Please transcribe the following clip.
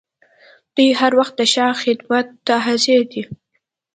دوی هر وخت د شاه خدمت ته حاضر دي.